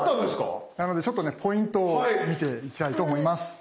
なのでちょっとねポイントを見ていきたいと思います。